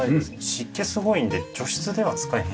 湿気がすごいので除湿では使います。